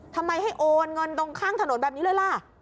ทำไมให้โอนเงินตรงข้างถนนแบบนี้เลยล่ะ